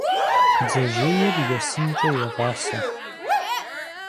Бдзэжьейр есынкӏэ егъасэ.